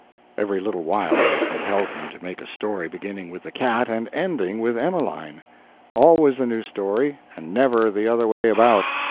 Every little while they compelled him to make a story beginning with the cat and ending with Emeline. Always a new story, and never the other way about.